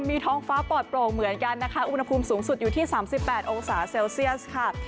มีท้องฟ้าปลอดโปร่งเหมือนกันนะคะอุณหภูมิสูงสุดอยู่ที่๓๘องศาเซลเซียสค่ะ